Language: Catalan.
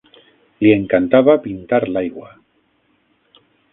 Li encantava pintar l'aigua.